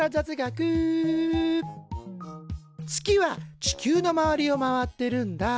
月は地球の周りを回ってるんだ。